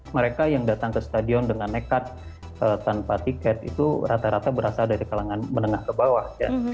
mereka yang datang ke stadion dengan nekat tanpa tiket itu rata rata berasal dari kalangan menengah ke bawah